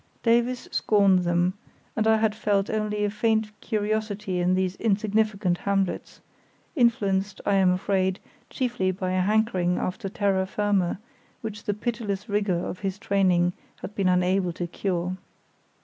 Davies scorned them, and I had felt only a faint curiosity in these insignificant hamlets, influenced, I am afraid, chiefly by a hankering after terra firma which the pitiless rigour of his training had been unable to cure.